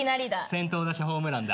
先頭打者ホームランだ。